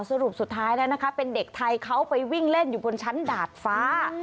สรุปสุดท้ายแล้วนะคะเป็นเด็กไทยเขาไปวิ่งเล่นอยู่บนชั้นดาดฟ้า